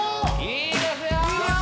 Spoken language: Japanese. いいですよ！